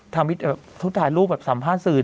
ถือชุดถ่ายรูปสัมภาษณ์สื่อ๑